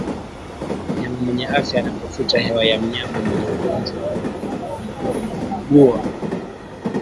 Mnyama mwenye afya anapovuta hewa ya mnyama mwenye ugonjwa wa miguu na midomo huugua